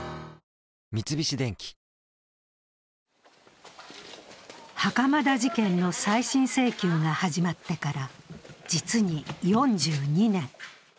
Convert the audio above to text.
三菱電機袴田事件の再審請求が始まってから実に４２年。